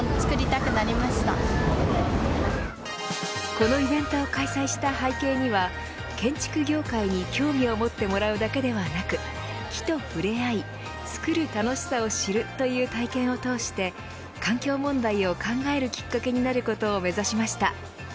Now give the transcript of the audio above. このイベントを開催した背景には建築業界に興味を持ってもらうだけではなく木と触れ合い、作る楽しさを知るという体験を通して環境問題を考えるきっかけになることを目指しました。